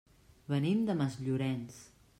Venim de Masllorenç.